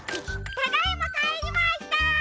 ただいまかえりました！